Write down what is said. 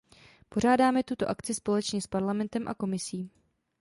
Pořádáme tuto akci společně s Parlamentem a Komisí.